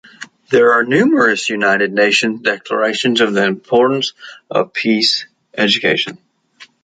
There are numerous United Nations declarations on the importance of peace education.